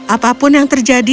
apapun yang terjadi